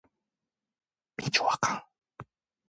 그러므로 거액의 돈 받이 같은 것은 일부러 민수에게 맡기곤 하였다.